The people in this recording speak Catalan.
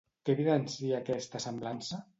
Què evidencia aquesta semblança?